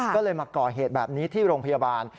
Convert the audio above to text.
ก็เลยมาก่อเหตุแบบนี้ที่โรงพยาบาล